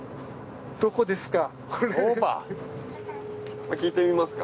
どこですか？